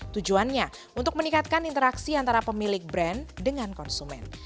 tujuannya untuk meningkatkan interaksi antara pemilik brand dengan konsumen